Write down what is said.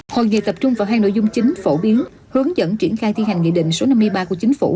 hội nghị tập trung vào hai nội dung chính phổ biến hướng dẫn triển khai thi hành nghị định số năm mươi ba của chính phủ